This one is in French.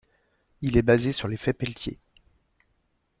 Il est basé sur l'effet Peltier.